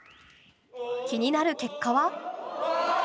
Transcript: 気になる結果は。